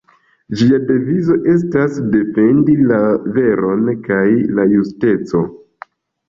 Ĝia devizo estas "Defendi la veron kaj la justeco".